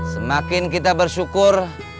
semakin kita bersyukur